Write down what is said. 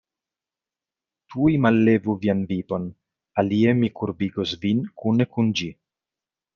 Tuj mallevu vian vipon, alie mi kurbigos vin kune kun ĝi!